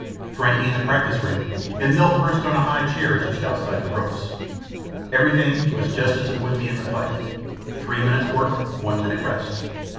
Frankie in the practice ring and Milt perched on a high chair just outside the ropes. Everything was just as it would be in the fight. Three minutes work, one minute rest.